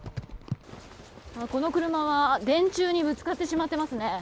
この車は電柱にぶつかってしまっていますね。